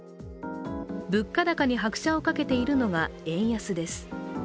物価高に拍車をかけているのが円安です。